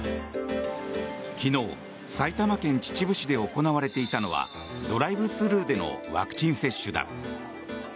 昨日、埼玉県秩父市で行われていたのはドライブスルーでのワクチン接種だ。